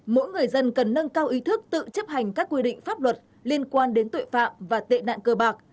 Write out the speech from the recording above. mỗi người dân cần nâng cao ý thức tự chấp hành các quy định pháp luật liên quan đến tội phạm và tệ nạn cơ bạc